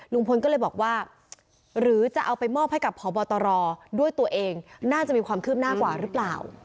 ลุงพลก็เลยบอกว่าหรือจะเอาไปมอบให้กับพบตรด้วยตัวเองน่าจะมีความคืบหน้ากว่าหรือเปล่า